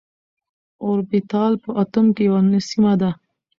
اوربيتال په اتوم کي يوه سيمه ده.